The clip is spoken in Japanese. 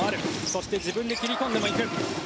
そして自分で切り込んでも行く。